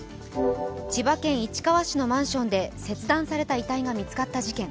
千葉県市川市のマンションで切断された遺体が見つかった事件。